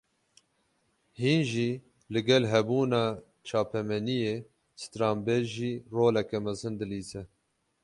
Hîn jî, li gel hebûna çapemeniyê, stranbêj jî roleke mezin dilîze